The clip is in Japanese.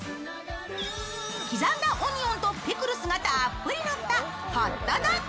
刻んだオニオンとピクルスがたっぷりのったホットドッグ。